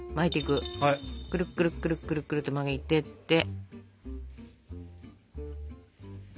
くるくるくるくるくるっと巻いてって。